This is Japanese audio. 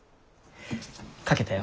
書けたよ。